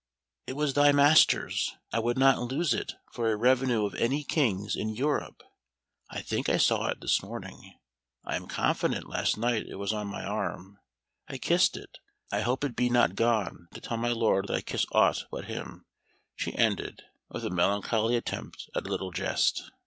"It was thy master's; I would not lose it for a revenue of any King's in Europe. I think I saw it this morning; I am confident last night it was on my arm; I kissed it. I hope it be not gone to tell my lord that I kiss aught but him," she ended, with a melancholy attempt at a little jest.